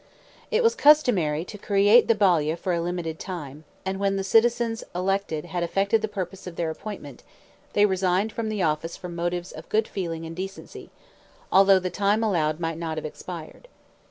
It was customary to create the Balia for a limited time; and when the citizens elected had effected the purpose of their appointment, they resigned the office from motives of good feeling and decency, although the time allowed might not have expired.